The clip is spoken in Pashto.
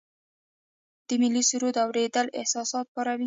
د ملي سرود اوریدل احساسات پاروي.